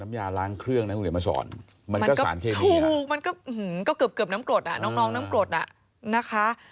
มันก็ถูกมันก็เกือบน้ำโกรธน้องน้ำโกรธน่ะ